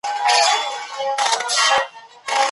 مېم زَر ما ټول ئې زما